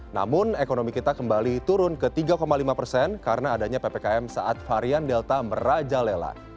namun ekonomi kita kembali turun ke tiga lima persen karena adanya ppkm saat varian delta merajalela